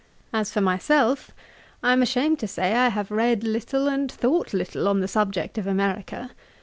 'As for myself, I am ashamed to say I have read little and thought little on the subject of America.